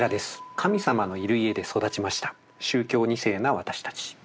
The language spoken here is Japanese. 「『神様』のいる家で育ちました宗教２世な私たち」。